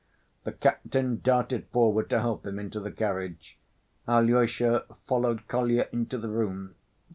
The captain darted forward to help him into the carriage. Alyosha followed Kolya into the room.